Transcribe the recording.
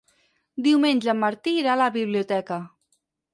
Diumenge en Martí irà a la biblioteca.